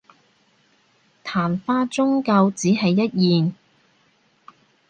曇花終究只係一現